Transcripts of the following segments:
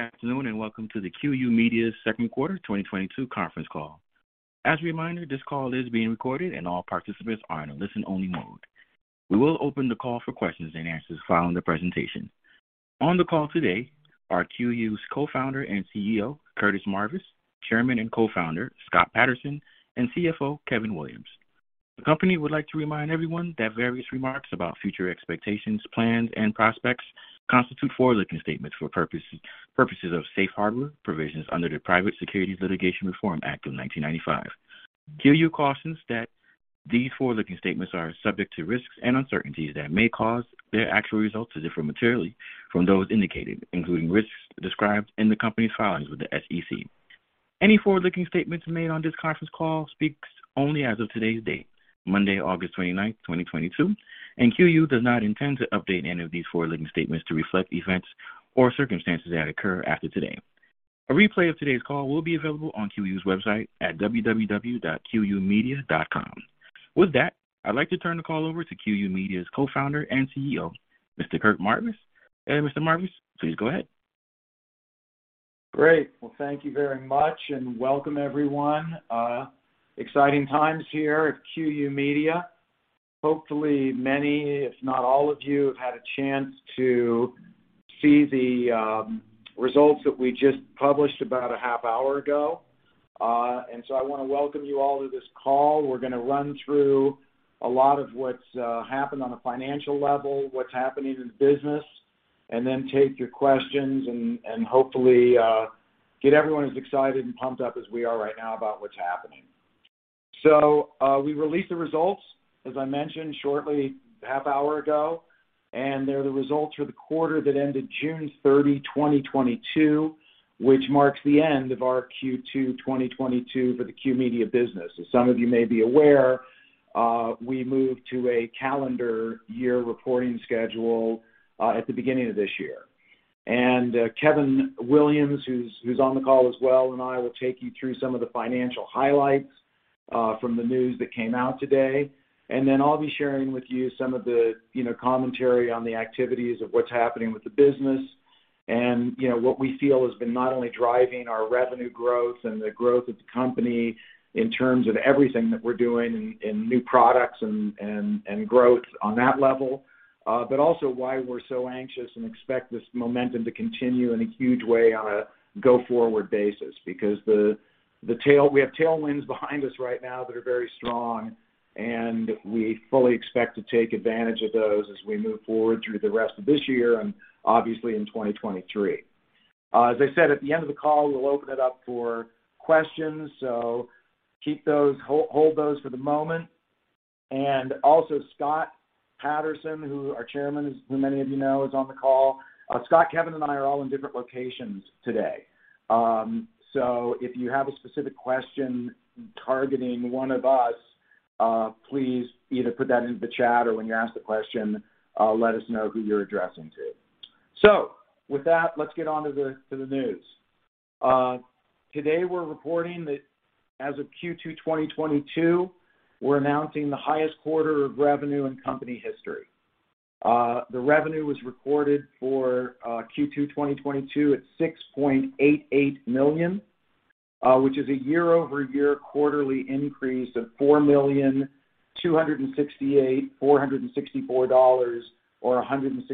Good afternoon, and welcome to the QYOU Media's second quarter 2022 conference call. As a reminder, this call is being recorded, and all participants are in a listen-only mode. We will open the call for questions and answers following the presentation. On the call today are QYOU's Co-Founder and CEO, Curt Marvis, Chairman and Co-Founder, Scott Paterson, and CFO, Kevin Williams. The company would like to remind everyone that various remarks about future expectations, plans, and prospects constitute forward-looking statements for purposes of safe harbor provisions under the Private Securities Litigation Reform Act of 1995. QYOU cautions that these forward-looking statements are subject to risks and uncertainties that may cause their actual results to differ materially from those indicated, including risks described in the company's filings with the SEC. Any forward-looking statements made on this conference call speak only as of today's date, Monday, August 29, 2022, and QYOU does not intend to update any of these forward-looking statements to reflect events or circumstances that occur after today. A replay of today's call will be available on QYOU's website at www.qyoumedia.com. With that, I'd like to turn the call over to QYOU Media's Co-Founder and CEO, Mr. Curt Marvis. Mr. Marvis, please go ahead. Great. Well, thank you very much and welcome everyone. Exciting times here at QYOU Media. Hopefully many, if not all of you have had a chance to see the results that we just published about a half hour ago. I wanna welcome you all to this call. We're gonna run through a lot of what's happened on a financial level, what's happening in business, and then take your questions and hopefully get everyone as excited and pumped up as we are right now about what's happening. We released the results, as I mentioned shortly, half hour ago, and they're the results for the quarter that ended June 30, 2022, which marks the end of our Q2 2022 for the QYOU Media business. As some of you may be aware, we moved to a calendar year reporting schedule, at the beginning of this year. Kevin Williams, who's on the call as well, and I will take you through some of the financial highlights, from the news that came out today. I'll be sharing with you some of the, you know, commentary on the activities of what's happening with the business and, you know, what we feel has been not only driving our revenue growth and the growth of the company in terms of everything that we're doing in new products and growth on that level, but also why we're so anxious and expect this momentum to continue in a huge way on a go-forward basis because we have tailwinds behind us right now that are very strong, and we fully expect to take advantage of those as we move forward through the rest of this year and obviously in 2023. As I said, at the end of the call, we'll open it up for questions. So keep those. Hold those for the moment. Also Scott Paterson, who... Our Chairman, as who many of you know, is on the call. Scott, Kevin, and I are all in different locations today. If you have a specific question targeting one of us, please either put that into the chat or when you ask the question, let us know who you're addressing to. With that, let's get on to the news. Today we're reporting that as of Q2 2022, we're announcing the highest quarter of revenue in company history. The revenue was recorded for Q2 2022 at 6.88 million, which is a year-over-year quarterly increase of 4,268,464 dollars, or 163%.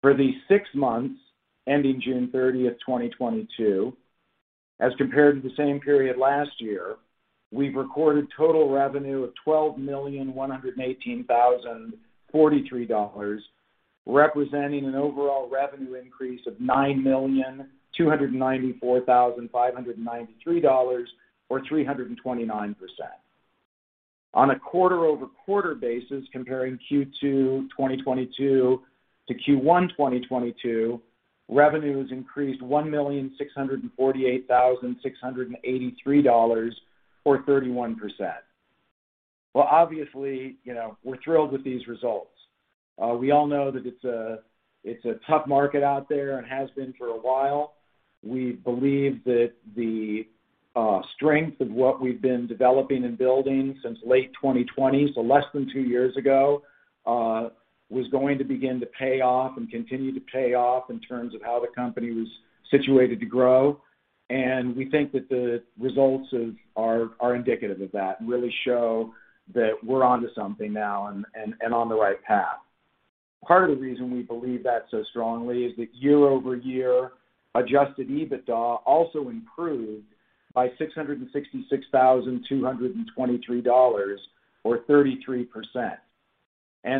For the six months ending June 30, 2022, as compared to the same period last year, we've recorded total revenue of 12,118,043 dollars, representing an overall revenue increase of 9,294,593 dollars, or 329%. On a quarter-over-quarter basis comparing Q2 2022 to Q1 2022, revenue has increased 1,648,683 dollars, or 31%. Well, obviously, you know, we're thrilled with these results. We all know that it's a tough market out there and has been for a while. We believe that the strength of what we've been developing and building since late 2020, so less than two years ago, was going to begin to pay off and continue to pay off in terms of how the company was situated to grow. We think that the results are indicative of that, and really show that we're onto something now and on the right path. Part of the reason we believe that so strongly is that year-over-year adjusted EBITDA also improved by 666,223 dollars or 33%.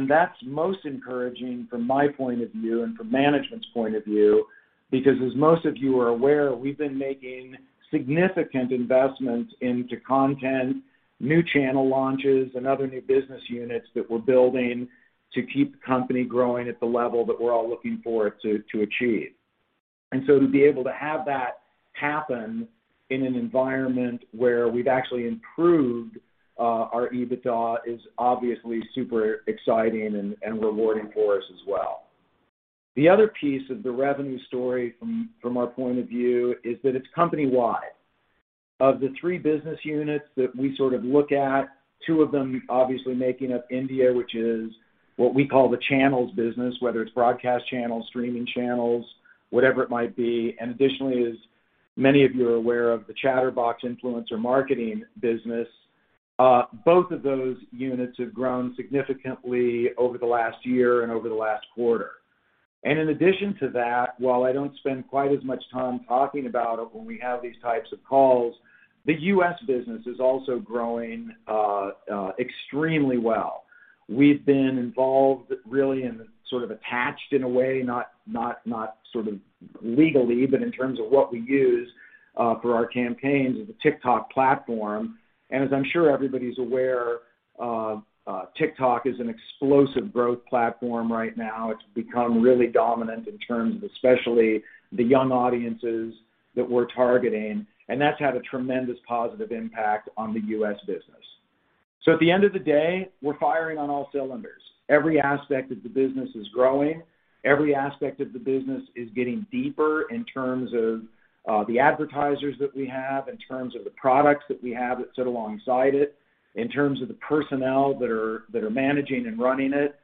That's most encouraging from my point of view and from management's point of view because as most of you are aware, we've been making significant investments into content, new channel launches, and other new business units that we're building to keep the company growing at the level that we're all looking for it to achieve. To be able to have that happen in an environment where we've actually improved our EBITDA is obviously super exciting and rewarding for us as well. The other piece of the revenue story from our point of view is that it's company-wide. Of the three business units that we sort of look at, two of them obviously making up India, which is what we call the channels business, whether it's broadcast channels, streaming channels, whatever it might be. Additionally, as many of you are aware of, the Chtrbox influencer marketing business, both of those units have grown significantly over the last year and over the last quarter. In addition to that, while I don't spend quite as much time talking about it when we have these types of calls, the U.S. business is also growing extremely well. We've been involved really in sort of attached in a way, not sort of legally, but in terms of what we use for our campaigns with the TikTok platform. As I'm sure everybody's aware, TikTok is an explosive growth platform right now. It's become really dominant in terms of especially the young audiences that we're targeting, and that's had a tremendous positive impact on the U.S. business. At the end of the day, we're firing on all cylinders. Every aspect of the business is growing. Every aspect of the business is getting deeper in terms of, the advertisers that we have, in terms of the products that we have that sit alongside it, in terms of the personnel that are managing and running it.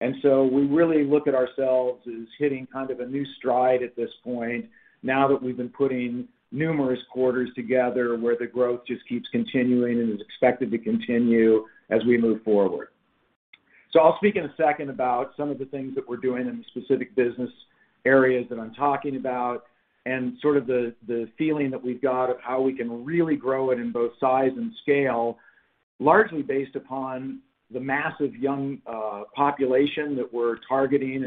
We really look at ourselves as hitting kind of a new stride at this point now that we've been putting numerous quarters together where the growth just keeps continuing and is expected to continue as we move forward. I'll speak in a second about some of the things that we're doing in the specific business areas that I'm talking about and sort of the feeling that we've got of how we can really grow it in both size and scale, largely based upon the massive young population that we're targeting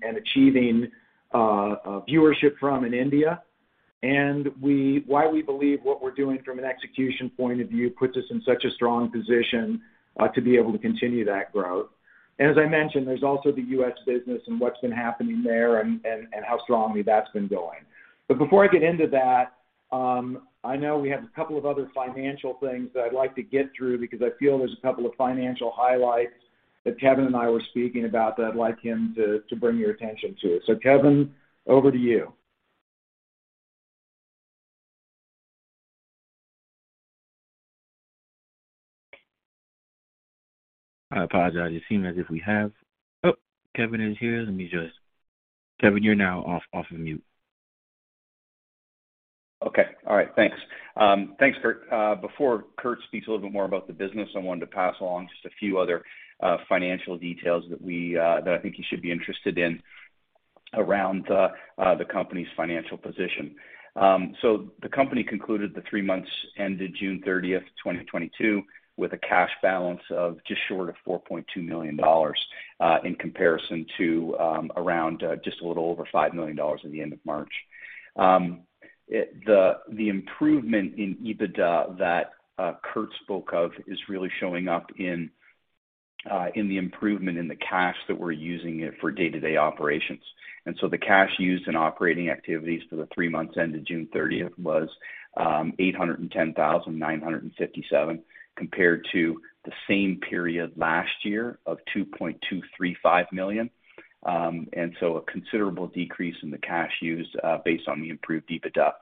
and achieving viewership from in India. Why we believe what we're doing from an execution point of view puts us in such a strong position to be able to continue that growth. As I mentioned, there's also the U.S. business and what's been happening there and how strongly that's been going. Before I get into that, I know we have a couple of other financial things that I'd like to get through because I feel there's a couple of financial highlights that Kevin and I were speaking about that I'd like him to bring your attention to. Kevin, over to you. I apologize. Oh, Kevin is here. Kevin, you're now off of mute. Okay. All right. Thanks. Thanks, Curt. Before Curt speaks a little bit more about the business, I wanted to pass along just a few other financial details that we, that I think you should be interested in around the company's financial position. So the company concluded the three months ended June 30, 2022, with a cash balance of just short of 4.2 million dollars in comparison to around just a little over 5 million dollars at the end of March. The improvement in EBITDA that Curt spoke of is really showing up in the improvement in the cash that we're using it for day-to-day operations. The cash used in operating activities for the three months ended June 30th was $810,957, compared to the same period last year of $2.235 million. A considerable decrease in the cash used, based on the improved EBITDA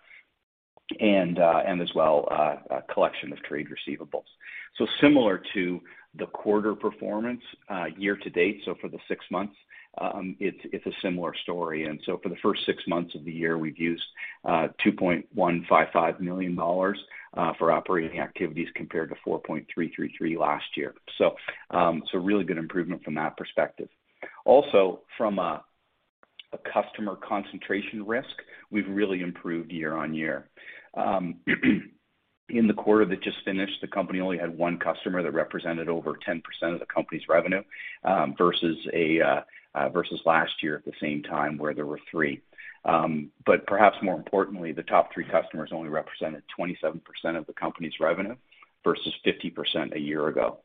and as well a collection of trade receivables. Similar to the quarter performance, year to date, for the six months, it's a similar story. For the first six months of the year, we've used $2.155 million for operating activities compared to $4.333 million last year. Really good improvement from that perspective. Also, from a customer concentration risk, we've really improved year-over-year. In the quarter that just finished, the company only had one customer that represented over 10% of the company's revenue versus last year at the same time where there were three. But perhaps more importantly, the top three customers only represented 27% of the company's revenue versus 50% a year ago.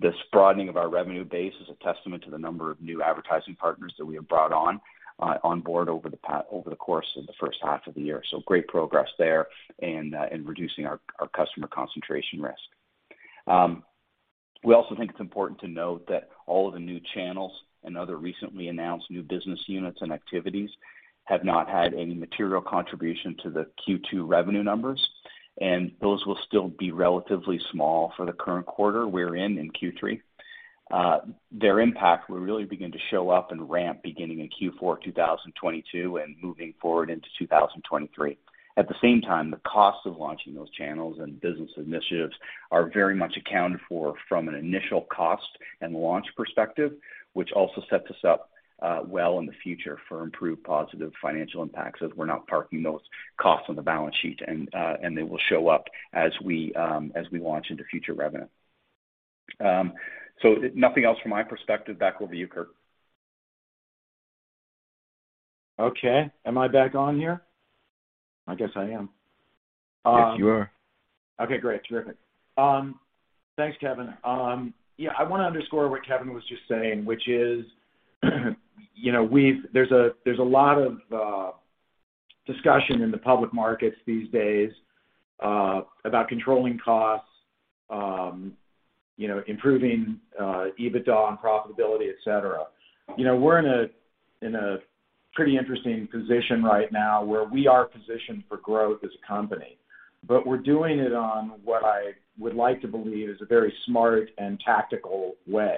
This broadening of our revenue base is a testament to the number of new advertising partners that we have brought on board over the course of the first half of the year. Great progress there in reducing our customer concentration risk. We also think it's important to note that all of the new channels and other recently announced new business units and activities have not had any material contribution to the Q2 revenue numbers, and those will still be relatively small for the current quarter we're in in Q3. Their impact will really begin to show up and ramp beginning in Q4 2022 and moving forward into 2023. At the same time, the cost of launching those channels and business initiatives are very much accounted for from an initial cost and launch perspective, which also sets us up well in the future for improved positive financial impacts as we're not parking those costs on the balance sheet. They will show up as we launch into future revenue. So nothing else from my perspective. Back over to you, Curt. Okay. Am I back on here? I guess I am. Yes, you are. Okay, great. Terrific. Thanks, Kevin. Yeah, I wanna underscore what Kevin was just saying, which is, you know, there's a lot of discussion in the public markets these days about controlling costs. You know, improving EBITDA and profitability, et cetera. You know, we're in a pretty interesting position right now where we are positioned for growth as a company. We're doing it on what I would like to believe is a very smart and tactical way.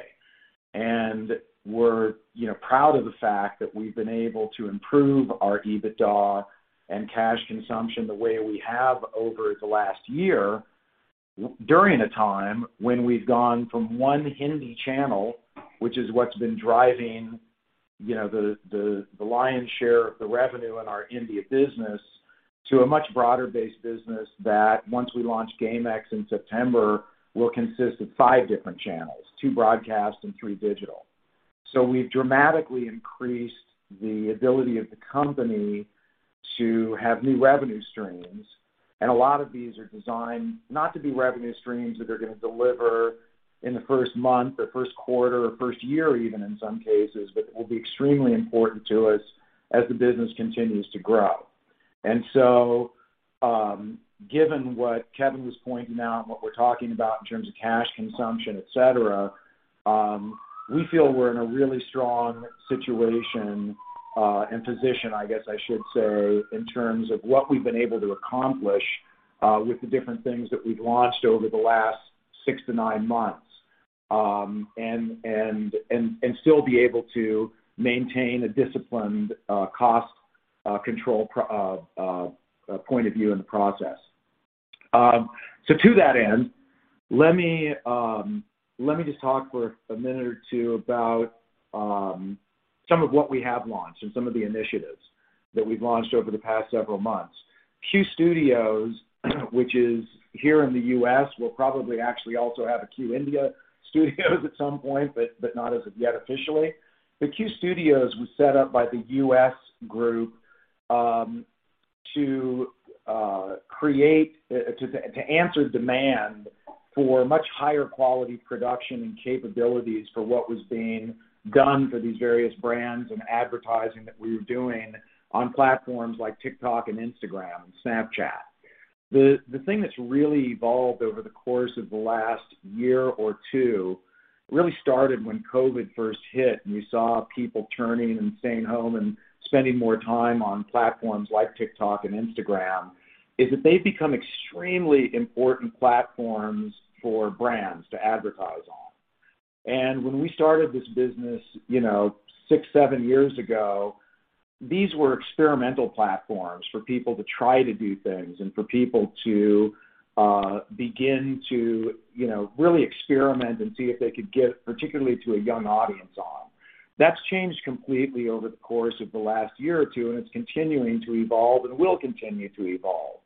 We're, you know, proud of the fact that we've been able to improve our EBITDA and cash consumption the way we have over the last year, during a time when we've gone from one Hindi channel, which is what's been driving, you know, the lion's share of the revenue in our India business to a much broader-based business that once we launch GameX in September, will consist of five different channels, two broadcast and three digital. We've dramatically increased the ability of the company to have new revenue streams, and a lot of these are designed not to be revenue streams that are gonna deliver in the first month or first quarter or first year even in some cases, but will be extremely important to us as the business continues to grow. Given what Kevin was pointing out and what we're talking about in terms of cash consumption, et cetera, we feel we're in a really strong situation and position, I guess I should say, in terms of what we've been able to accomplish with the different things that we've launched over the last six to nine months, and still be able to maintain a disciplined cost control point of view in the process. To that end, let me just talk for a minute or two about some of what we have launched and some of the initiatives that we've launched over the past several months. QYOU Studios, which is here in the U.S., we'll probably actually also have a Q India Studios at some point, but not as of yet officially. QYOU Studios was set up by the US group to create to answer demand for much higher quality production and capabilities for what was being done for these various brands and advertising that we were doing on platforms like TikTok and Instagram and Snapchat. The thing that's really evolved over the course of the last year or two really started when COVID first hit, and we saw people turning and staying home and spending more time on platforms like TikTok and Instagram, is that they've become extremely important platforms for brands to advertise on. When we started this business, you know, six, seven years ago, these were experimental platforms for people to try to do things and for people to begin to, you know, really experiment and see if they could get particularly to a young audience on. That's changed completely over the course of the last year or two, and it's continuing to evolve and will continue to evolve.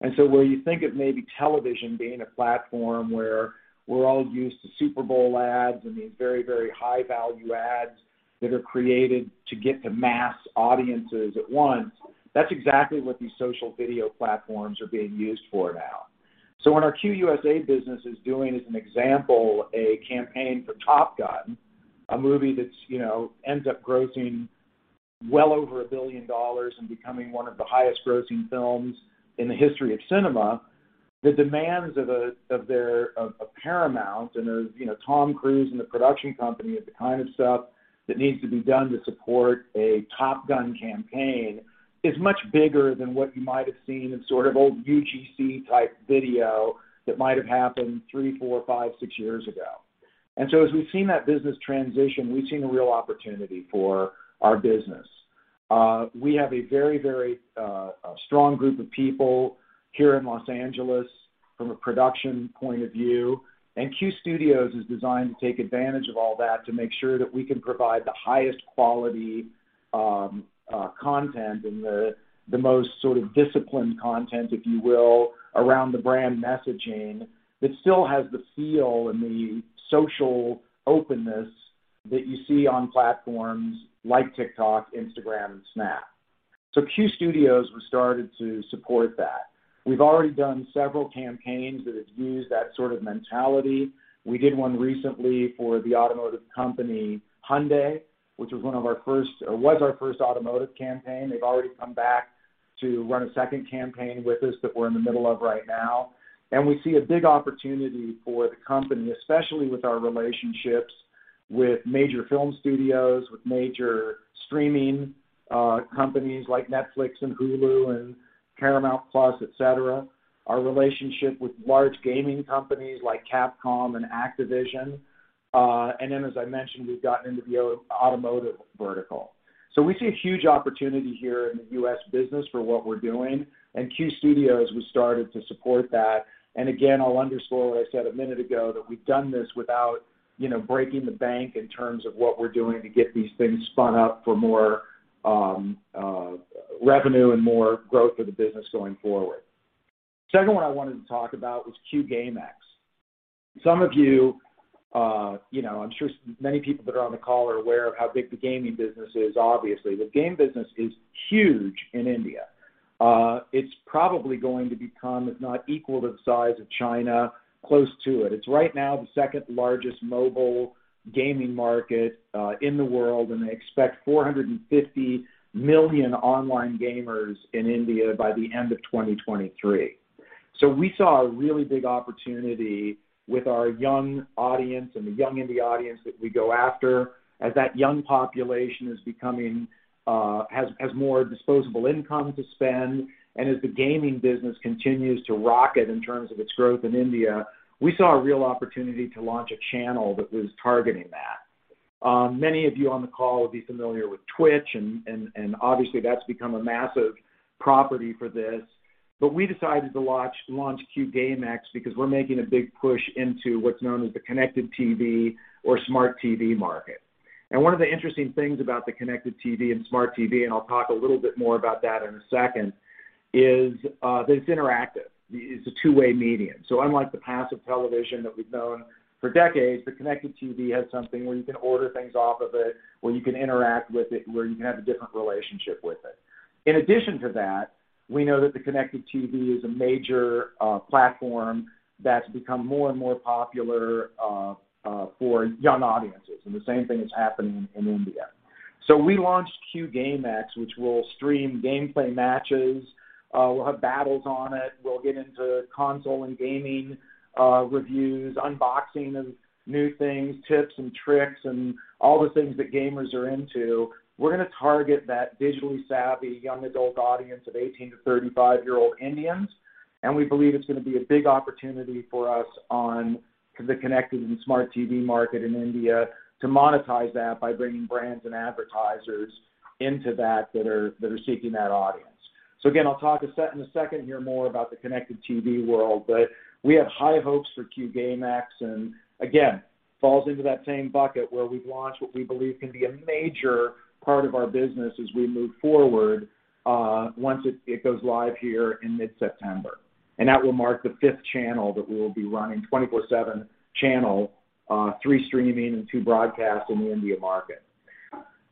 Where you think of maybe television being a platform where we're all used to Super Bowl ads and these very, very high-value ads that are created to get to mass audiences at once, that's exactly what these social video platforms are being used for now. When our QYOU USA business is doing, as an example, a campaign for Top Gun, a movie that's, you know, ends up grossing well over $1 billion and becoming one of the highest grossing films in the history of cinema, the demands of Paramount and of, you know, Tom Cruise and the production company of the kind of stuff that needs to be done to support a Top Gun campaign is much bigger than what you might have seen in sort of old UGC-type video that might have happened three, four, five, six years ago. We've seen that business transition. We've seen a real opportunity for our business. We have a very strong group of people here in Los Angeles from a production point of view. QYOU Studios is designed to take advantage of all that to make sure that we can provide the highest quality content and the most sort of disciplined content, if you will, around the brand messaging that still has the feel and the social openness that you see on platforms like TikTok, Instagram, and Snap. QYOU Studios was started to support that. We've already done several campaigns that have used that sort of mentality. We did one recently for the automotive company Hyundai, which was our first automotive campaign. They've already come back to run a second campaign with us that we're in the middle of right now. We see a big opportunity for the company, especially with our relationships with major film studios, with major streaming companies like Netflix and Hulu and Paramount+, et cetera, our relationship with large gaming companies like Capcom and Activision, and then as I mentioned, we've gotten into the automotive vertical. We see a huge opportunity here in the U.S. business for what we're doing, and QYOU Studios was started to support that. Again, I'll underscore what I said a minute ago that we've done this without, you know, breaking the bank in terms of what we're doing to get these things spun up for more revenue and more growth for the business going forward. Second one I wanted to talk about was Q GameX. Some of you know, I'm sure many people that are on the call are aware of how big the gaming business is, obviously. The game business is huge in India. It's probably going to become, if not equal to the size of China, close to it. It's right now the second-largest mobile gaming market in the world, and they expect 450 million online gamers in India by the end of 2023. We saw a really big opportunity with our young audience and the young Indian audience that we go after. As that young population is becoming has more disposable income to spend, and as the gaming business continues to rocket in terms of its growth in India, we saw a real opportunity to launch a channel that was targeting that. Many of you on the call will be familiar with Twitch and obviously that's become a massive property for this. We decided to launch Q GameX because we're making a big push into what's known as the connected TV or smart TV market. One of the interesting things about the connected TV and smart TV, and I'll talk a little bit more about that in a second, is that it's interactive. It's a two-way medium. Unlike the passive television that we've known for decades, the connected TV has something where you can order things off of it, where you can interact with it, where you can have a different relationship with it. In addition to that, we know that the connected TV is a major platform that's become more and more popular for young audiences, and the same thing is happening in India. We launched Q GameX, which will stream gameplay matches, we'll have battles on it, we'll get into console and gaming reviews, unboxing of new things, tips and tricks, and all the things that gamers are into. We're gonna target that visually savvy young adult audience of 18- to 35-year-old Indians, and we believe it's gonna be a big opportunity for us on the connected and smart TV market in India to monetize that by bringing brands and advertisers into that that are seeking that audience. Again, I'll talk in a second here more about the connected TV world, but we have high hopes for Q GameX, and again, falls into that same bucket where we've launched what we believe can be a major part of our business as we move forward, once it goes live here in mid-September. That will mark the fifth channel that we will be running 24/7 channel, three streaming and two broadcast in the India market.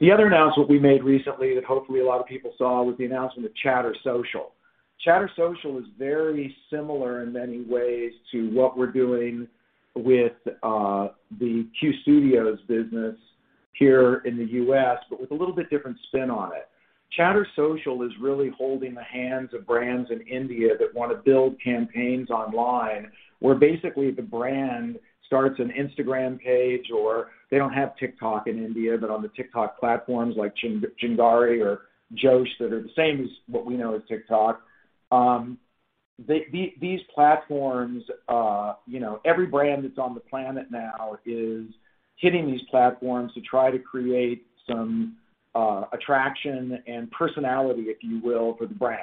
The other announcement we made recently that hopefully a lot of people saw was the announcement of ChtrSocial. ChtrSocial is very similar in many ways to what we're doing with the QYOU Studios business here in the US, but with a little bit different spin on it. ChtrSocial is really holding the hands of brands in India that wanna build campaigns online, where basically the brand starts an Instagram page, or they don't have TikTok in India, but on the TikTok platforms like Chingari or Josh that are the same as what we know as TikTok. These platforms, you know, every brand that's on the planet now is hitting these platforms to try to create some attraction and personality, if you will, for the brand.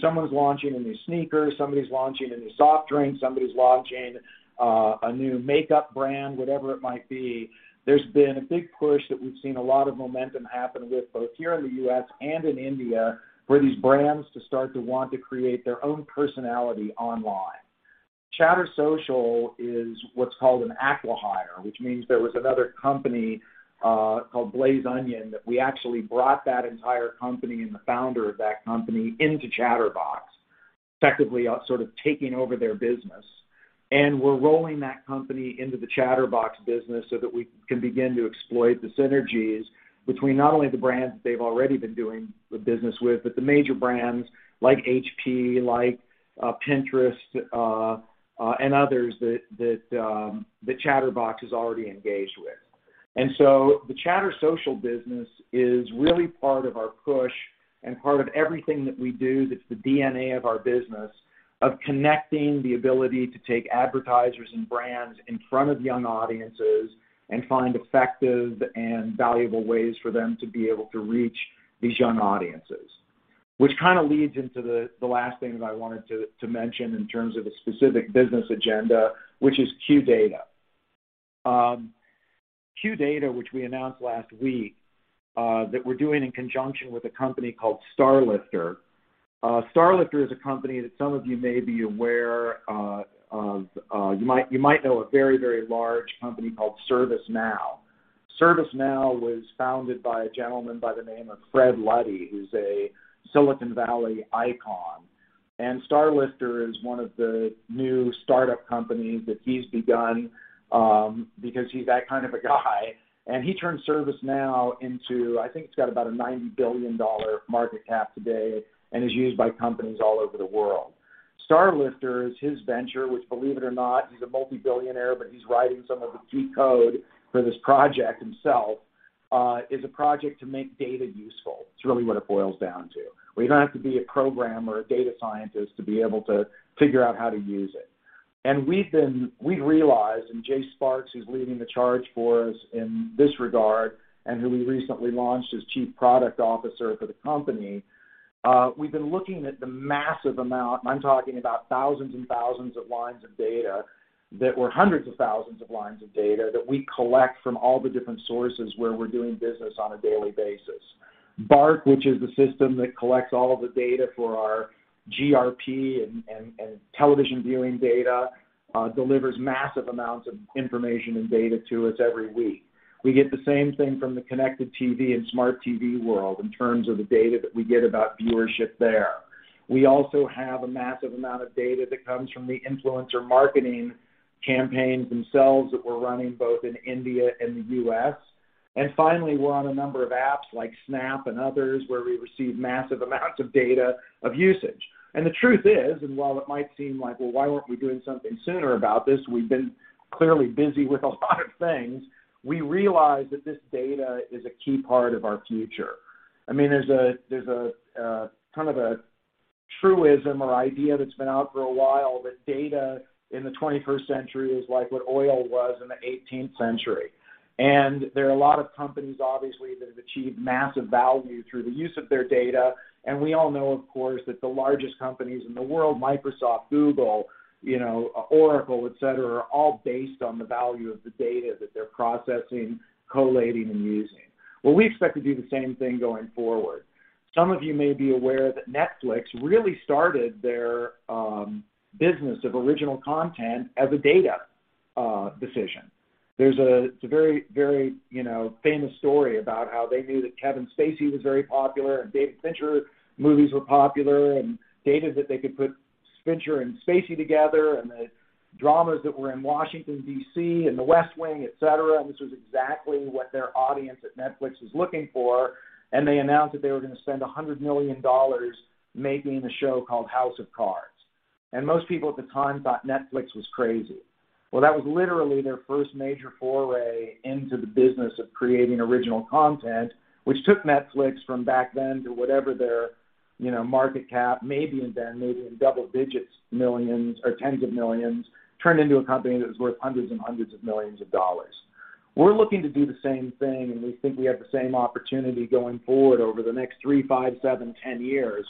Someone's launching a new sneaker, somebody's launching a new soft drink, somebody's launching a new makeup brand, whatever it might be. There's been a big push that we've seen a lot of momentum happen with, both here in the US and in India, for these brands to start to want to create their own personality online. ChtrSocial is what's called an acquihire, which means there was another company, called Blazonion, that we actually brought that entire company and the founder of that company into Chtrbox, effectively, sort of taking over their business. We're rolling that company into the Chtrbox business so that we can begin to exploit the synergies between not only the brands that they've already been doing the business with, but the major brands like HP, like, Pinterest, and others that Chtrbox is already engaged with. The ChtrSocial business is really part of our push and part of everything that we do that's the DNA of our business of connecting the ability to take advertisers and brands in front of young audiences and find effective and valuable ways for them to be able to reach these young audiences. Which kind of leads into the last thing that I wanted to mention in terms of a specific business agenda, which is Q Data. Q Data, which we announced last week, that we're doing in conjunction with a company called StarLifter. StarLifter is a company that some of you may be aware of, you might know a very large company called ServiceNow. ServiceNow was founded by a gentleman by the name of Fred Luddy, who's a Silicon Valley icon. StarLifter is one of the new startup companies that he's begun, because he's that kind of a guy. He turned ServiceNow into. I think it's got about a $90 billion market cap today and is used by companies all over the world. StarLifter is his venture, which, believe it or not, he's a multibillionaire, but he's writing some of the key code for this project himself, is a project to make data useful. It's really what it boils down to, where you don't have to be a programmer or data scientist to be able to figure out how to use it. We've realized, and Jase Sparks, who's leading the charge for us in this regard, and who we recently launched as Chief Product Officer for the company, we've been looking at the massive amount, and I'm talking about thousands and thousands of lines of data that were hundreds of thousands of lines of data that we collect from all the different sources where we're doing business on a daily basis. BARC, which is the system that collects all of the data for our GRP and television viewing data, delivers massive amounts of information and data to us every week. We get the same thing from the connected TV and smart TV world in terms of the data that we get about viewership there. We also have a massive amount of data that comes from the influencer marketing campaigns themselves that we're running both in India and the U.S. Finally, we're on a number of apps like Snap and others, where we receive massive amounts of data of usage. The truth is, while it might seem like, well, why weren't we doing something sooner about this? We've been clearly busy with a lot of things. We realize that this data is a key part of our future. I mean, there's a kind of a truism or idea that's been out for a while that data in the 21st century is like what oil was in the 18th century. There are a lot of companies, obviously, that have achieved massive value through the use of their data. We all know, of course, that the largest companies in the world, Microsoft, Google, you know, Oracle, et cetera, are all based on the value of the data that they're processing, collating, and using. Well, we expect to do the same thing going forward. Some of you may be aware that Netflix really started their business of original content as a data decision. It's a very, very, you know, famous story about how they knew that Kevin Spacey was very popular, and David Fincher movies were popular, and data that they could put Fincher and Spacey together, and the dramas that were in Washington, D.C., and The West Wing, et cetera, and this was exactly what their audience at Netflix was looking for, and they announced that they were gonna spend $100 million making a show called House of Cards. Most people at the time thought Netflix was crazy. Well, that was literally their first major foray into the business of creating original content, which took Netflix from back then to whatever their, you know, market cap may be, and then maybe in double digits, millions or tens of millions, turned into a company that was worth hundreds and hundreds of millions of dollars. We're looking to do the same thing, and we think we have the same opportunity going forward over the next three, five, seven, 10 years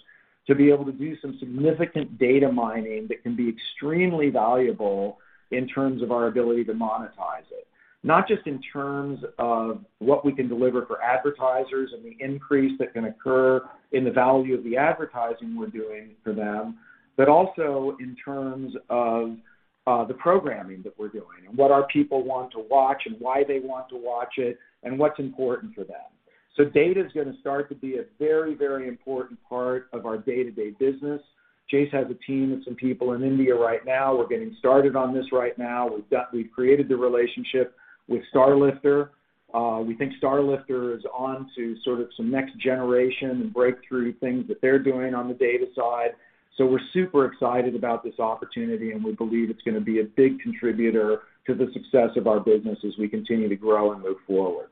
to be able to do some significant data mining that can be extremely valuable in terms of our ability to monetize it. Not just in terms of what we can deliver for advertisers and the increase that can occur in the value of the advertising we're doing for them, but also in terms of the programming that we're doing and what our people want to watch and why they want to watch it and what's important for them. Data is gonna start to be a very, very important part of our day-to-day business. Jace has a team and some people in India right now. We're getting started on this right now. We've created the relationship with StarLifter. We think StarLifter is on to sort of some next-generation and breakthrough things that they're doing on the data side. We're super excited about this opportunity, and we believe it's gonna be a big contributor to the success of our business as we continue to grow and move forward.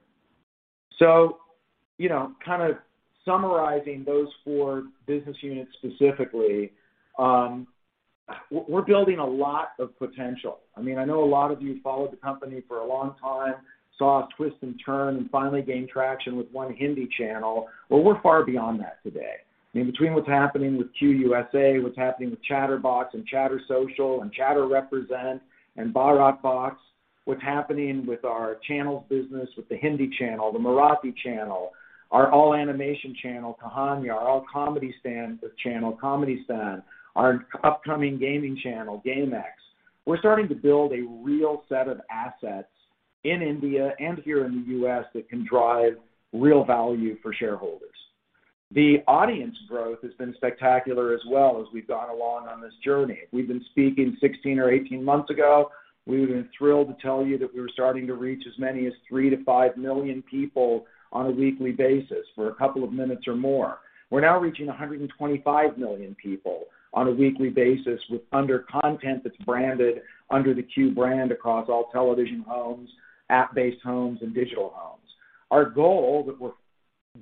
You know, kind of summarizing those four business units specifically, we're building a lot of potential. I mean, I know a lot of you followed the company for a long time, saw us twist and turn and finally gain traction with one Hindi channel. We're far beyond that today. I mean, between what's happening with QYOU USA, what's happening with Chtrbox and ChtrSocial and Chtrbox-Represent and BharatBox, what's happening with our channels business, with the Hindi channel, the Marathi channel, our all-animation channel, Q Kahaniyan, our all-comedy channel, Q Comedistaan, our upcoming gaming channel, Q GameX. We're starting to build a real set of assets in India and here in the U.S. that can drive real value for shareholders. The audience growth has been spectacular as well as we've gone along on this journey. If we've been speaking 16 or 18 months ago, we've been thrilled to tell you that we were starting to reach as many as 3 million-5 million people on a weekly basis for a couple of minutes or more. We're now reaching 125 million people on a weekly basis with our content that's branded under the Q brand across all television homes, app-based homes, and digital homes. Our goal that we're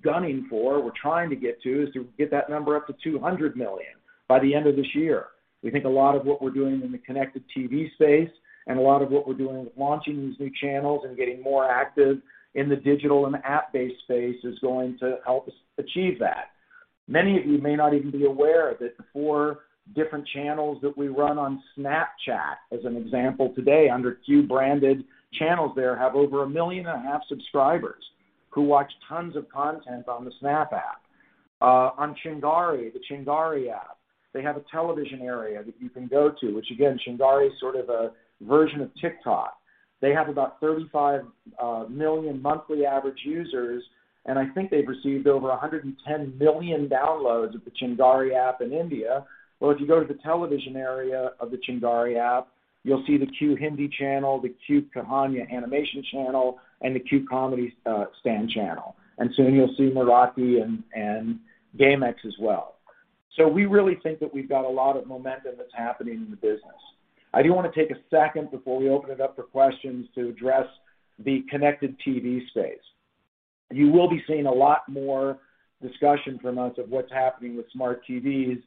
gunning for, we're trying to get to, is to get that number up to 200 million by the end of this year. We think a lot of what we're doing in the connected TV space and a lot of what we're doing with launching these new channels and getting more active in the digital and app-based space is going to help us achieve that. Many of you may not even be aware that the four different channels that we run on Snapchat, as an example today, under Q-branded channels there have over 1.5 million subscribers who watch tons of content on the Snap app. On Chingari, the Chingari app, they have a television area that you can go to, which again, Chingari is sort of a version of TikTok. They have about 35 million monthly average users, and I think they've received over 110 million downloads of the Chingari app in India. Well, if you go to the television area of the Chingari app, you'll see the Q Hindi channel, the Q Kahaniyan animation channel, and the Q Comedistaan channel. Soon you'll see Marathi and GameX as well. We really think that we've got a lot of momentum that's happening in the business. I do wanna take a second before we open it up for questions to address the connected TV space. You will be seeing a lot more discussion from us of what's happening with smart TVs.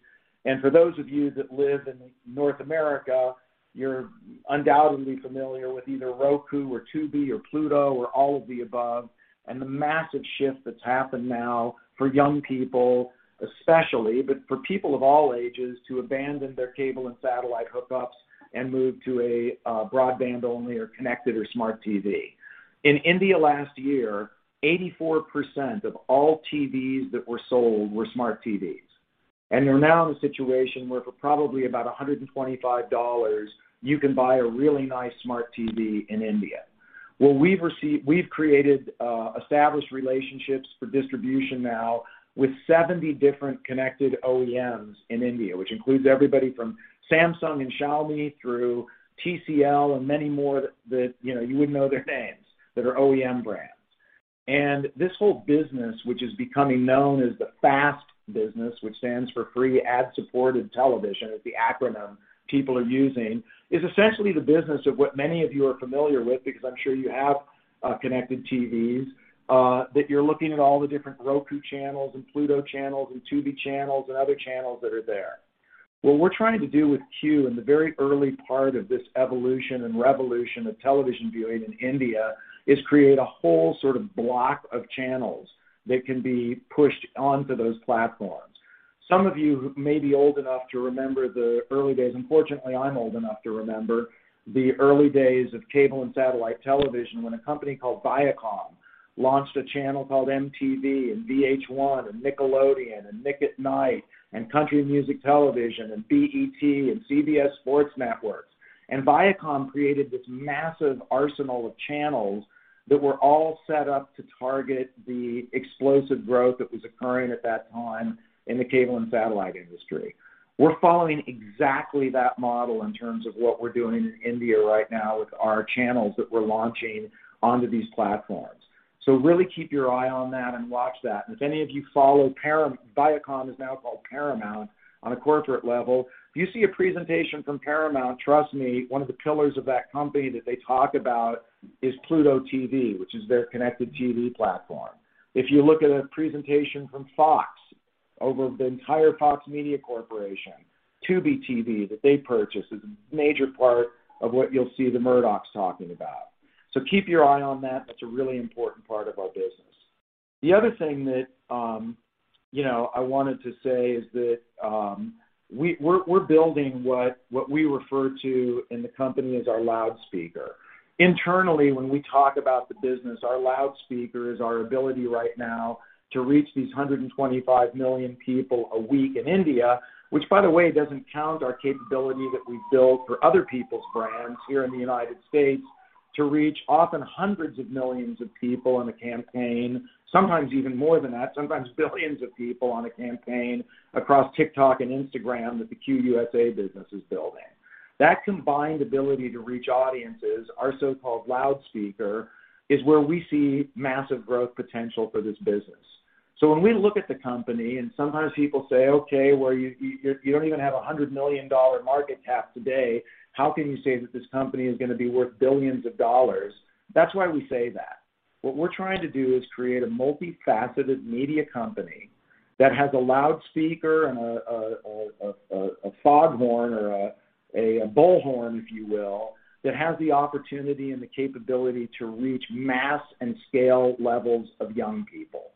For those of you that live in North America, you're undoubtedly familiar with either Roku or Tubi or Pluto TV or all of the above, and the massive shift that's happened now for young people, especially, but for people of all ages, to abandon their cable and satellite hookups and move to a broadband only or connected or smart TV. In India last year, 84% of all TVs that were sold were smart TVs. They're now in a situation where for probably about $125, you can buy a really nice smart TV in India. Well, we've established relationships for distribution now with 70 different connected OEMs in India, which includes everybody from Samsung and Xiaomi through TCL and many more that you know you wouldn't know their names that are OEM brands. This whole business, which is becoming known as the FAST business, which stands for Free Ad Supported Television, is the acronym people are using, is essentially the business of what many of you are familiar with because I'm sure you have connected TVs that you're looking at all the different Roku channels and Pluto TV channels and Tubi channels and other channels that are there. What we're trying to do with Q in the very early part of this evolution and revolution of television viewing in India is create a whole sort of block of channels that can be pushed onto those platforms. Some of you may be old enough to remember the early days. Unfortunately, I'm old enough to remember the early days of cable and satellite television when a company called Viacom launched a channel called MTV and VH1 and Nickelodeon and Nick at Nite and Country Music Television and BET and CBS Sports Network. Viacom created this massive arsenal of channels that were all set up to target the explosive growth that was occurring at that time in the cable and satellite industry. We're following exactly that model in terms of what we're doing in India right now with our channels that we're launching onto these platforms. Really keep your eye on that and watch that. If any of you follow Paramount. Viacom is now called Paramount on a corporate level. If you see a presentation from Paramount, trust me, one of the pillars of that company that they talk about is Pluto TV, which is their connected TV platform. If you look at a presentation from Fox over the entire Fox Corporation, Tubi that they purchased is a major part of what you'll see the Murdochs talking about. Keep your eye on that. That's a really important part of our business. The other thing that, you know, I wanted to say is that, we're building what we refer to in the company as our loudspeaker. Internally, when we talk about the business, our loudspeaker is our ability right now to reach these 125 million people a week in India, which, by the way, doesn't count our capability that we've built for other people's brands here in the United States to reach often hundreds of millions of people on a campaign, sometimes even more than that, sometimes billions of people on a campaign across TikTok and Instagram that the QYOU USA business is building. That combined ability to reach audiences, our so-called loudspeaker, is where we see massive growth potential for this business. When we look at the company and sometimes people say, "Okay, well, you don't even have a 100 million dollar market cap today. How can you say that this company is gonna be worth billions of dollars?" That's why we say that. What we're trying to do is create a multifaceted media company that has a loudspeaker and a foghorn or a bullhorn, if you will, that has the opportunity and the capability to reach mass and scale levels of young people.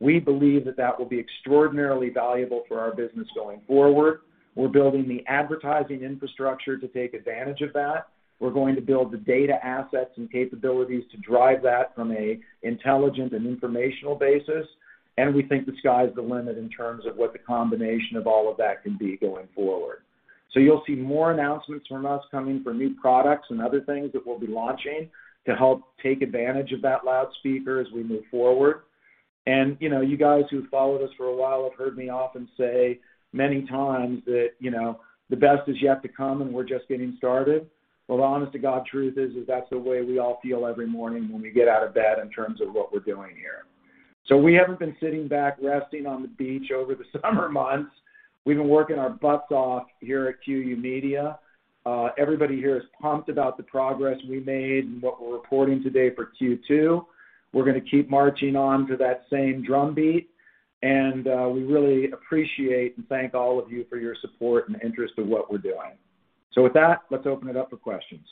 We believe that that will be extraordinarily valuable for our business going forward. We're building the advertising infrastructure to take advantage of that. We're going to build the data assets and capabilities to drive that from an intelligent and informational basis. We think the sky's the limit in terms of what the combination of all of that can be going forward. You'll see more announcements from us coming for new products and other things that we'll be launching to help take advantage of that loudspeaker as we move forward. You know, you guys who've followed us for a while have heard me often say many times that, you know, the best is yet to come, and we're just getting started. Well, the honest-to-God truth is that's the way we all feel every morning when we get out of bed in terms of what we're doing here. We haven't been sitting back resting on the beach over the summer months. We've been working our butts off here at QYOU Media. Everybody here is pumped about the progress we made and what we're reporting today for Q2. We're gonna keep marching on to that same drumbeat, and we really appreciate and thank all of you for your support and interest in what we're doing. With that, let's open it up for questions.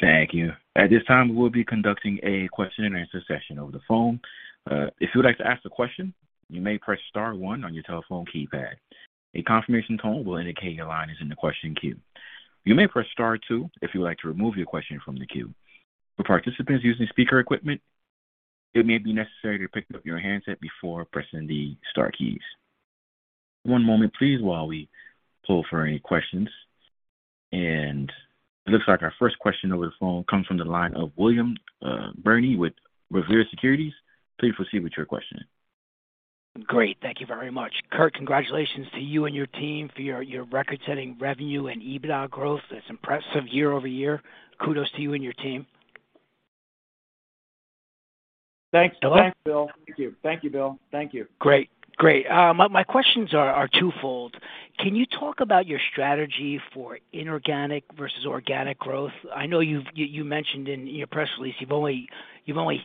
Thank you. At this time, we'll be conducting a question-and-answer session over the phone. If you'd like to ask a question, you may press star one on your telephone keypad. A confirmation tone will indicate your line is in the question queue. You may press star two if you would like to remove your question from the queue. For participants using speaker equipment, it may be necessary to pick up your handset before pressing the star keys. One moment please while we pull for any questions. It looks like our first question over the phone comes from the line of William Burnyeat with Canaccord Genuity. Please proceed with your question. Great. Thank you very much. Curt, congratulations to you and your team for your record-setting revenue and EBITDA growth. That's impressive year-over-year. Kudos to you and your team. Thanks. Thanks, Bill. Thank you. Thank you, Bill. Thank you. Great. My questions are twofold. Can you talk about your strategy for inorganic versus organic growth? I know you mentioned in your press release you've only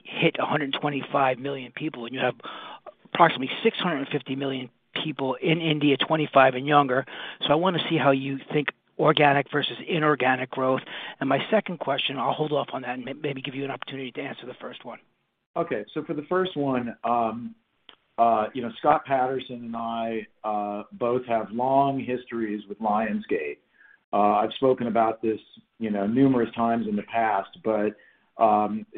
hit 125 million people, and you have approximately 650 million people in India, 25 and younger. I want to see how you think organic versus inorganic growth. My second question, I'll hold off on that and maybe give you an opportunity to answer the first one. Okay. For the first one, you know, Scott Paterson and I both have long histories with Lionsgate. I've spoken about this, you know, numerous times in the past, but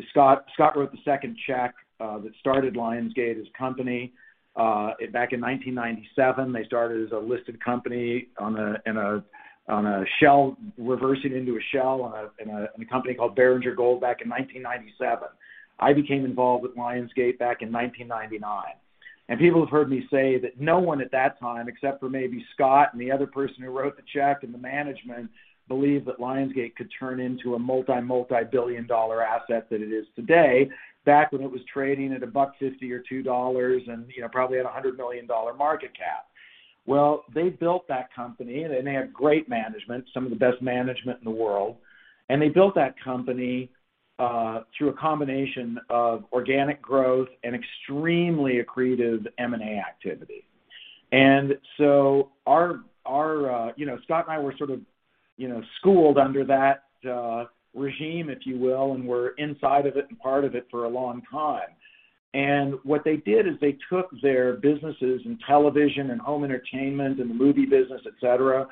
Scott wrote the second check that started Lionsgate as a company back in 1997. They started as a listed company reversing into a shell in a company called Beringer Gold back in 1997. I became involved with Lionsgate back in 1999. People have heard me say that no one at that time, except for maybe Scott and the other person who wrote the check and the management, believed that Lionsgate could turn into a multi-billion-dollar asset that it is today back when it was trading at $1.50 or $2 and, you know, probably at a $100 million market cap. Well, they built that company, and they had great management, some of the best management in the world. They built that company through a combination of organic growth and extremely accretive M&A activity. Our, you know, Scott and I were sort of, you know, schooled under that regime, if you will, and were inside of it and part of it for a long time. What they did is they took their businesses in television and home entertainment and the movie business, et cetera,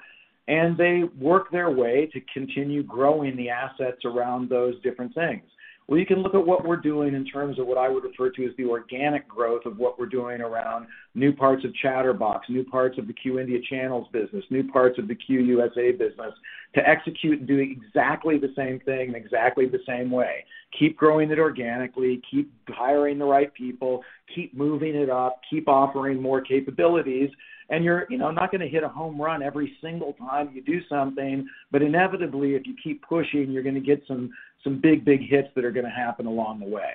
and they worked their way to continue growing the assets around those different things. Well, you can look at what we're doing in terms of what I would refer to as the organic growth of what we're doing around new parts of Chtrbox, new parts of the Q India channels business, new parts of the Q USA business to execute and do exactly the same thing in exactly the same way. Keep growing it organically, keep hiring the right people, keep moving it up, keep offering more capabilities, and you're, you know, not gonna hit a home run every single time you do something. But inevitably, if you keep pushing, you're gonna get some big hits that are gonna happen along the way.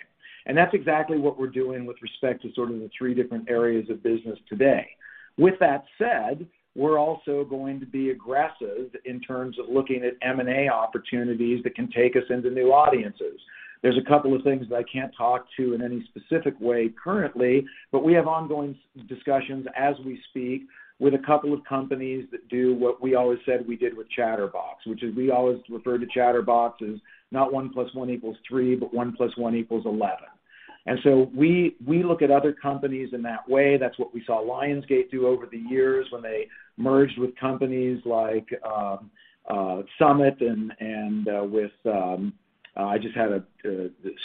That's exactly what we're doing with respect to sort of the three different areas of business today. With that said, we're also going to be aggressive in terms of looking at M&A opportunities that can take us into new audiences. There's a couple of things that I can't talk to in any specific way currently, but we have ongoing discussions as we speak with a couple of companies that do what we always said we did with Chtrbox, which is we always refer to Chtrbox as not 1 + 1 = 3, but 1 + 1 = 11. We look at other companies in that way. That's what we saw Lionsgate do over the years when they merged with companies like Summit and with I just had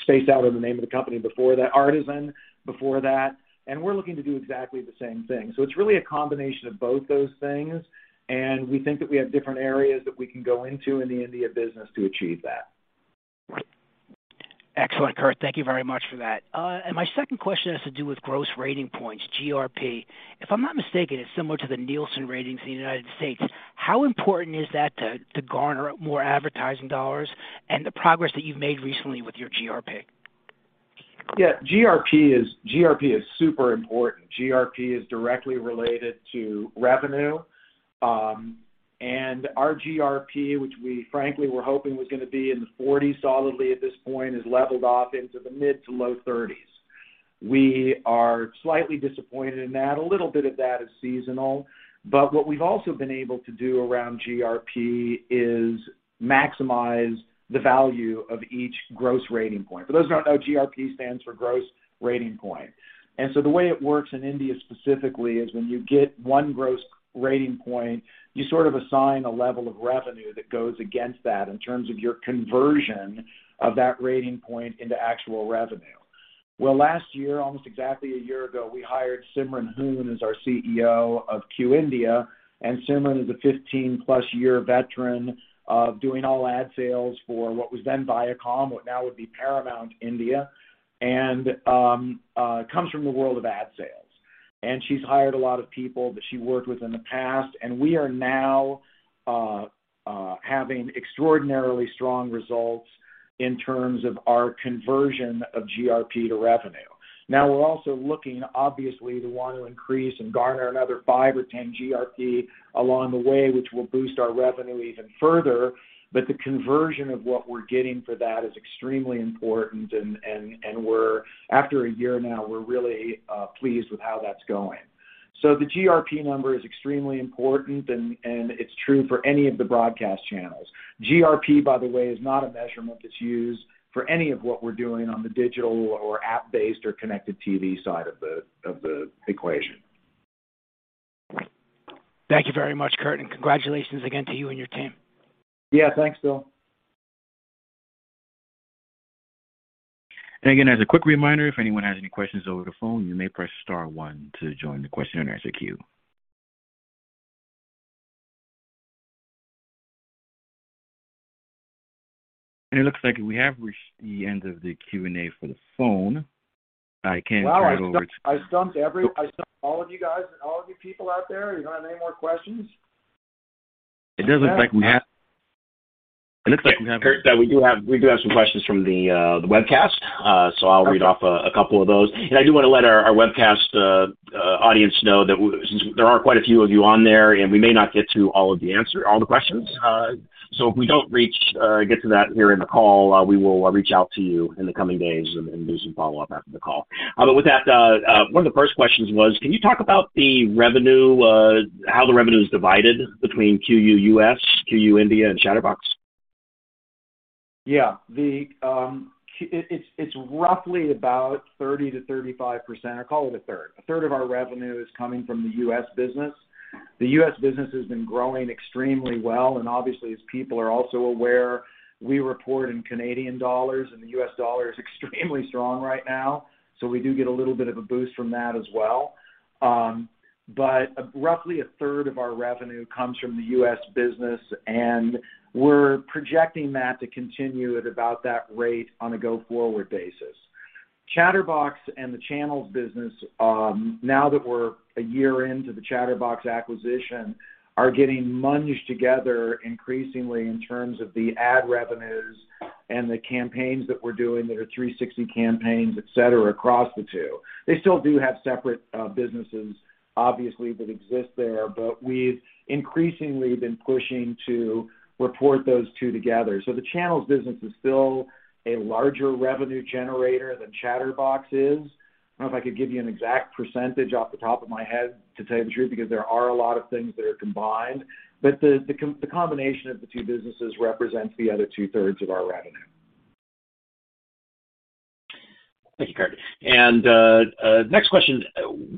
spaced out on the name of the company before that. Artisan before that. We're looking to do exactly the same thing. It's really a combination of both those things, and we think that we have different areas that we can go into in the India business to achieve that. Excellent, Curt. Thank you very much for that. My second question has to do with gross rating points, GRP. If I'm not mistaken, it's similar to the Nielsen ratings in the United States. How important is that to garner up more advertising dollars and the progress that you've made recently with your GRP? GRP is super important. GRP is directly related to revenue. Our GRP, which we frankly were hoping was gonna be in the 40s solidly at this point, has leveled off into the mid- to low 30s. We are slightly disappointed in that. A little bit of that is seasonal. What we've also been able to do around GRP is maximize the value of each gross rating point. For those who don't know, GRP stands for gross rating point. The way it works in India specifically is when you get one gross rating point, you sort of assign a level of revenue that goes against that in terms of your conversion of that rating point into actual revenue. Well, last year, almost exactly a year ago, we hired Simran Hoon as our CEO of QYOU India, and Simran is a 15+ year veteran of doing all ad sales for what was then Viacom, what now would be Paramount India, and comes from the world of ad sales. She's hired a lot of people that she worked with in the past, and we are now having extraordinarily strong results in terms of our conversion of GRP to revenue. Now we're also looking obviously to want to increase and garner another five or 10 GRP along the way, which will boost our revenue even further, but the conversion of what we're getting for that is extremely important and after a year now, we're really pleased with how that's going. The GRP number is extremely important and it's true for any of the broadcast channels. GRP, by the way, is not a measurement that's used for any of what we're doing on the digital or app-based or connected TV side of the equation. Thank you very much, Curt, and congratulations again to you and your team. Yeah. Thanks, Bill. Again, as a quick reminder, if anyone has any questions over the phone, you may press star one to join the question and answer queue. It looks like we have reached the end of the Q&A for the phone. Wow, I stumped all of you guys and all of you people out there. You don't have any more questions? It doesn't look like we have. Okay. It looks like we have. Curt, we do have some questions from the webcast. Okay. I'll read off a couple of those. I do wanna let our webcast audience know that since there are quite a few of you on there and we may not get to all the questions, if we don't reach or get to that here in the call, we will reach out to you in the coming days and do some follow-up after the call. But with that, one of the first questions was, can you talk about the revenue, how the revenue is divided between QYOU USA, QYOU India, and Chtrbox? It's roughly about 30%-35% or call it 1/3. A third of our revenue is coming from the U.S. business. The U.S. business has been growing extremely well, and obviously, as people are also aware, we report in Canadian dollars, and the US dollar is extremely strong right now. We do get a little bit of a boost from that as well. Roughly a third of our revenue comes from the US business, and we're projecting that to continue at about that rate on a go-forward basis. Chtrbox and the channels business, now that we're a year into the Chtrbox acquisition, are getting merged together increasingly in terms of the ad revenues and the campaigns that we're doing that are 360 campaigns, et cetera, across the two. They still do have separate businesses obviously that exist there, but we've increasingly been pushing to report those two together. The channels business is still a larger revenue generator than Chtrbox is. I don't know if I could give you an exact percentage off the top of my head to tell you the truth, because there are a lot of things that are combined. The combination of the two businesses represents the other two-thirds of our revenue. Thank you, Curt. Next question.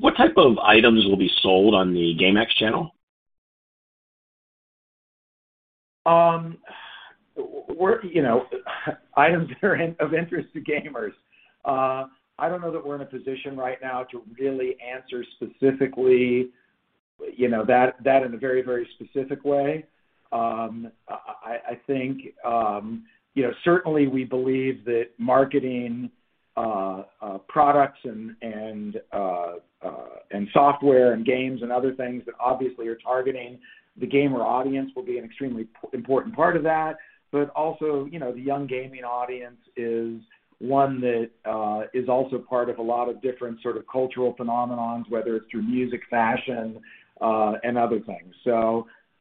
What type of items will be sold on the Q GameX channel? We're, you know, items that are of interest to gamers. I don't know that we're in a position right now to really answer specifically, you know, that in a very specific way. I think, you know, certainly we believe that marketing products and software and games and other things that obviously are targeting the gamer audience will be an extremely important part of that. But also, you know, the young gaming audience is one that is also part of a lot of different sort of cultural phenomena, whether it's through music, fashion, and other things.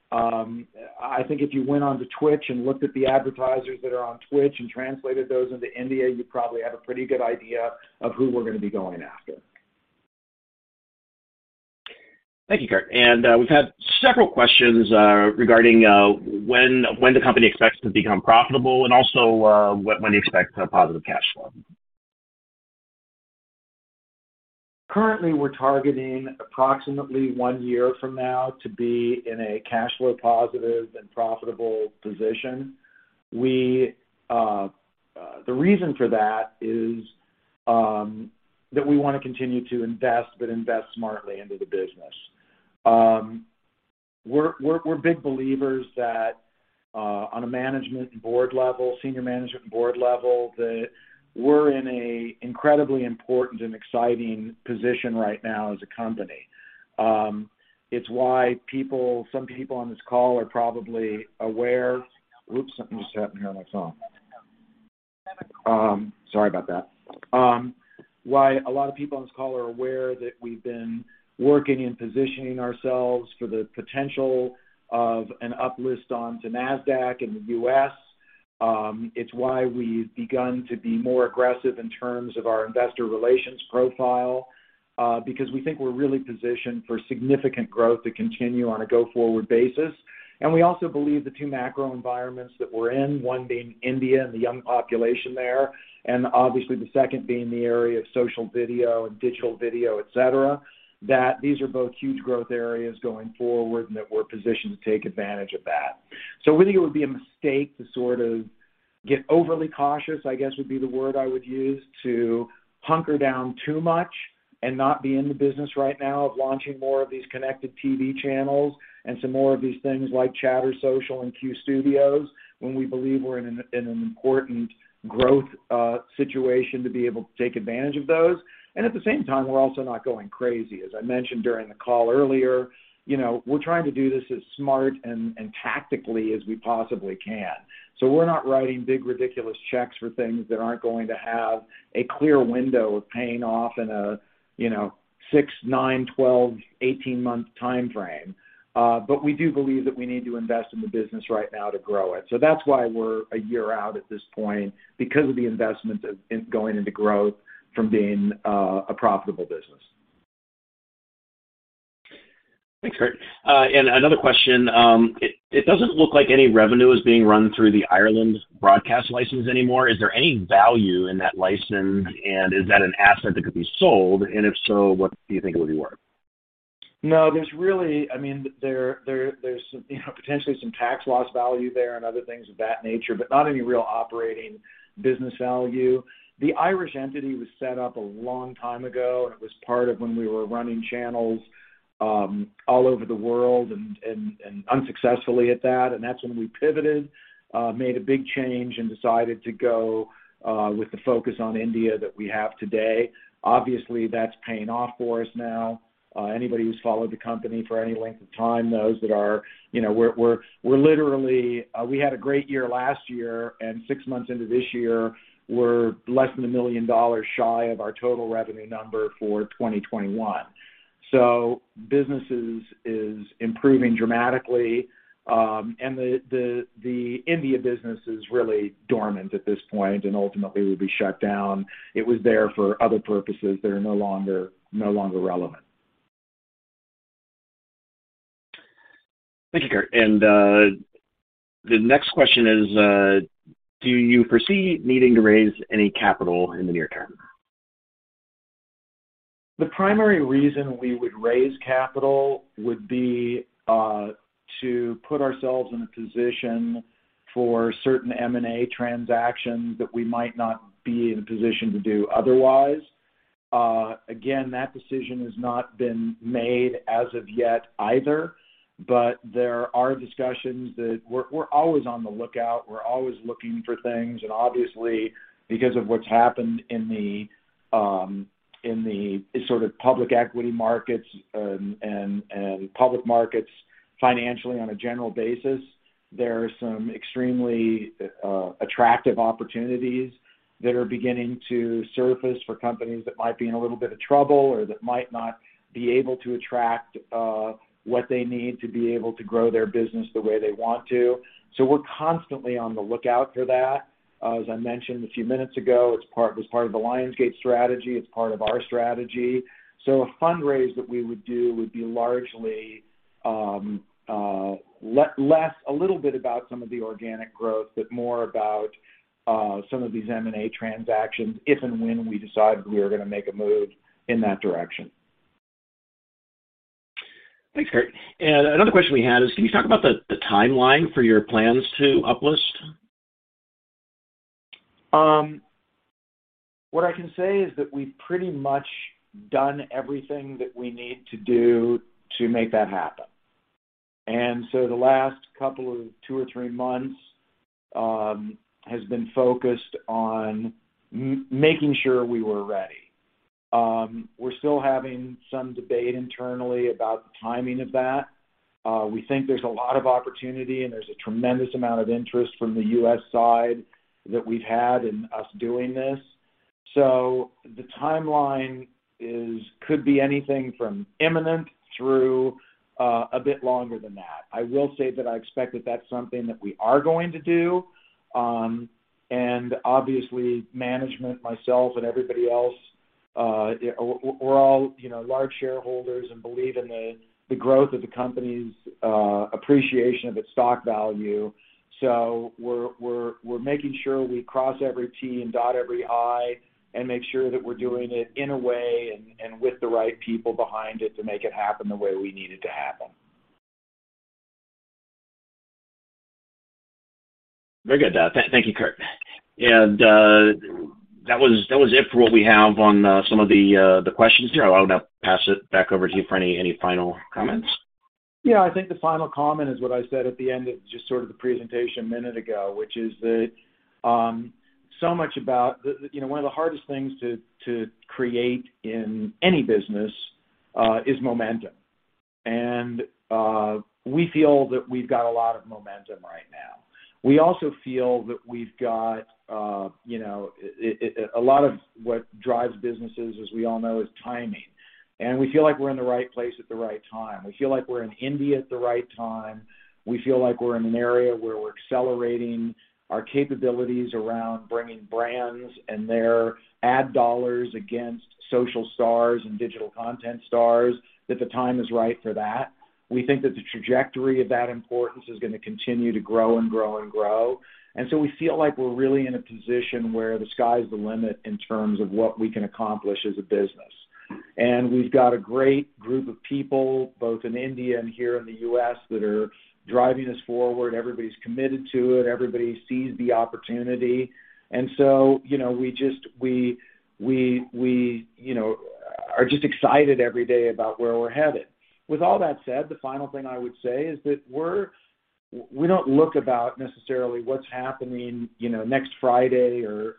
I think if you went on to Twitch and looked at the advertisers that are on Twitch and translated those into India, you'd probably have a pretty good idea of who we're gonna be going after. Thank you, Curt. We've had several questions regarding when the company expects to become profitable and also when you expect positive cash flow. Currently, we're targeting approximately one year from now to be in a cash flow positive and profitable position. The reason for that is that we wanna continue to invest but invest smartly into the business. We're big believers that on a senior management and board level that we're in an incredibly important and exciting position right now as a company. It's why some people on this call are probably aware. Whoops, something just happened here on my phone. Sorry about that. Why a lot of people on this call are aware that we've been working and positioning ourselves for the potential of an uplisting onto Nasdaq in the US. It's why we've begun to be more aggressive in terms of our investor relations profile, because we think we're really positioned for significant growth to continue on a go-forward basis. We also believe the two macro environments that we're in, one being India and the young population there, and obviously the second being the area of social video and digital video, et cetera, that these are both huge growth areas going forward and that we're positioned to take advantage of that. We think it would be a mistake to sort of get overly cautious. I guess would be the word I would use, to hunker down too much and not be in the business right now of launching more of these connected TV channels and some more of these things like ChtrSocial and QYOU Studios when we believe we're in an important growth situation to be able to take advantage of those. At the same time, we're also not going crazy. As I mentioned during the call earlier, you know, we're trying to do this as smart and tactically as we possibly can. We're not writing big, ridiculous checks for things that aren't going to have a clear window of paying off in a, you know, six, nine, 12, 18-month timeframe. We do believe that we need to invest in the business right now to grow it. That's why we're a year out at this point because of the investments going into growth from being a profitable business. Thanks, Curt. Another question. It doesn't look like any revenue is being run through the Ireland broadcast license anymore. Is there any value in that license? Is that an asset that could be sold? If so, what do you think it would be worth? No, there's really I mean, there's you know, potentially some tax loss value there and other things of that nature, but not any real operating business value. The Irish entity was set up a long time ago. It was part of when we were running channels all over the world and unsuccessfully at that. That's when we pivoted, made a big change and decided to go with the focus on India that we have today. Obviously, that's paying off for us now. Anybody who's followed the company for any length of time knows that our you know, we're literally we had a great year last year, and six months into this year, we're less than $1 million shy of our total revenue number for 2021. Business is improving dramatically. The India business is really dormant at this point and ultimately will be shut down. It was there for other purposes that are no longer relevant. Thank you, Curt. The next question is, do you foresee needing to raise any capital in the near term? The primary reason we would raise capital would be to put ourselves in a position for certain M&A transactions that we might not be in a position to do otherwise. Again, that decision has not been made as of yet either, but there are discussions that we're always on the lookout, we're always looking for things, and obviously, because of what's happened in the sort of public equity markets, and public markets financially on a general basis, there are some extremely attractive opportunities that are beginning to surface for companies that might be in a little bit of trouble or that might not be able to attract what they need to be able to grow their business the way they want to. We're constantly on the lookout for that. As I mentioned a few minutes ago, it was part of the Lionsgate strategy. It's part of our strategy. A fundraise that we would do would be largely less a little bit about some of the organic growth, but more about some of these M&A transactions if and when we decide we are gonna make a move in that direction. Thanks, Curt. Another question we had is, can you talk about the timeline for your plans to up-list? What I can say is that we've pretty much done everything that we need to do to make that happen. The last two or three months has been focused on making sure we were ready. We're still having some debate internally about the timing of that. We think there's a lot of opportunity, and there's a tremendous amount of interest from the U.S. side that we've had in us doing this. The timeline could be anything from imminent through a bit longer than that. I will say that I expect that that's something that we are going to do, and obviously management, myself and everybody else, we're all, you know, large shareholders and believe in the growth of the company's appreciation of its stock value. We're making sure we cross every t and dot every i and make sure that we're doing it in a way and with the right people behind it to make it happen the way we need it to happen. Very good. Thank you, Curt. That was it for what we have on some of the questions here. I'll now pass it back over to you for any final comments. Yeah. I think the final comment is what I said at the end of just sort of the presentation a minute ago, which is that, so much about you know, one of the hardest things to create in any business is momentum. We feel that we've got a lot of momentum right now. We also feel that we've got you know, a lot of what drives businesses, as we all know, is timing. We feel like we're in the right place at the right time. We feel like we're in India at the right time. We feel like we're in an area where we're accelerating our capabilities around bringing brands and their ad dollars against social stars and digital content stars, that the time is right for that. We think that the trajectory of that importance is gonna continue to grow and grow and grow. We feel like we're really in a position where the sky's the limit in terms of what we can accomplish as a business. We've got a great group of people, both in India and here in the U.S., that are driving us forward. Everybody's committed to it. Everybody sees the opportunity. You know, we just, you know, are just excited every day about where we're headed. With all that said, the final thing I would say is that we don't look about necessarily what's happening, you know, next Friday or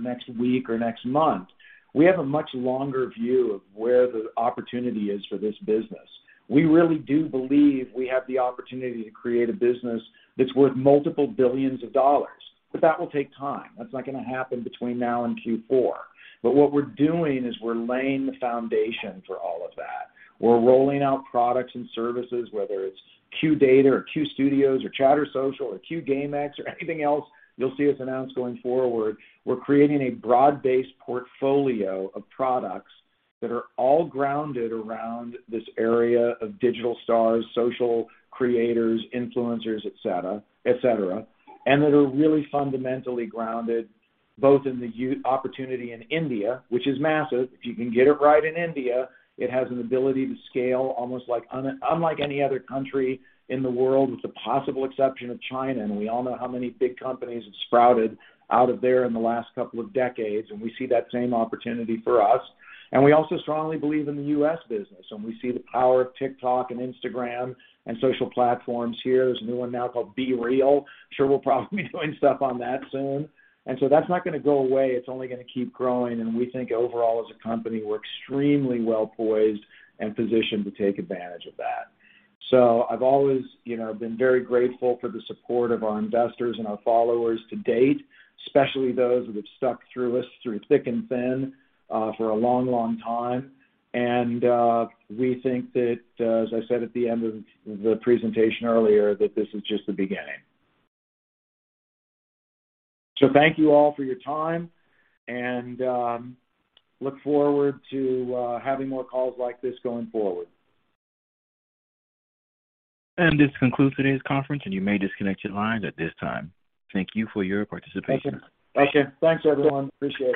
next week or next month. We have a much longer view of where the opportunity is for this business. We really do believe we have the opportunity to create a business that's worth multiple billions of dollars, but that will take time. That's not gonna happen between now and Q4. What we're doing is we're laying the foundation for all of that. We're rolling out products and services, whether it's Q Data or Q Studios or ChtrSocial or Q GameX or anything else you'll see us announce going forward. We're creating a broad-based portfolio of products that are all grounded around this area of digital stars, social creators, influencers, et cetera, et cetera. That are really fundamentally grounded both in the opportunity in India, which is massive. If you can get it right in India, it has an ability to scale almost like unlike any other country in the world, with the possible exception of China, and we all know how many big companies have sprouted out of there in the last couple of decades, and we see that same opportunity for us. We also strongly believe in the U.S. business, and we see the power of TikTok and Instagram and social platforms here. There's a new one now called BeReal. Sure we'll probably be doing stuff on that soon. That's not gonna go away. It's only gonna keep growing. We think overall as a company, we're extremely well poised and positioned to take advantage of that. I've always, you know, been very grateful for the support of our investors and our followers to date, especially those that have stuck through us through thick and thin, for a long, long time. We think that, as I said at the end of the presentation earlier, that this is just the beginning. Thank you all for your time, and look forward to having more calls like this going forward. This concludes today's conference, and you may disconnect your lines at this time. Thank you for your participation. Thank you. Bye. Thanks, everyone. Appreciate it.